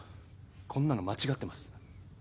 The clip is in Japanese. こんなの間違ってます。